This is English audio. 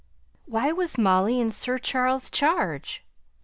Why was Molly in Sir Charles's charge?